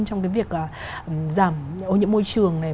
trong cái việc giảm ô nhiễm môi trường này